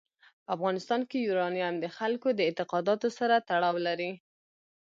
په افغانستان کې یورانیم د خلکو د اعتقاداتو سره تړاو لري.